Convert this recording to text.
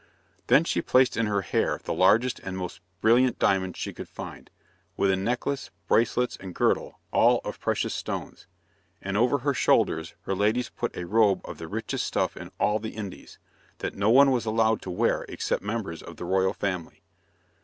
Then she placed in her hair the largest and most brilliant diamonds she could find, with a necklace, bracelets and girdle, all of precious stones. And over her shoulders her ladies put a robe of the richest stuff in all the Indies, that no one was allowed to wear except members of the royal family.